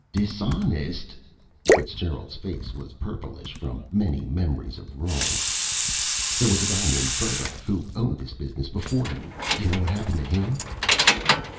"Dishonest!" Fitzgerald's face was purplish, from many memories of wrongs. "There was a guy named Burdock who owned this business before you. Y'know what happened to him?"